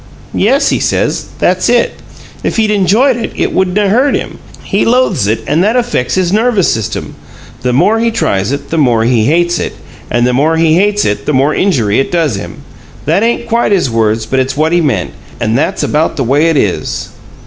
'Yes,' he says, 'that's it. If he'd enjoyed it, it wouldn't 'a' hurt him. He loathes it, and that affects his nervous system. The more he tries it, the more he hates it; and the more he hates it, the more injury it does him.' That ain't quite his words, but it's what he meant. And that's about the way it is."